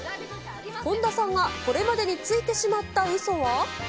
本田さんがこれまでについてしまったうそは？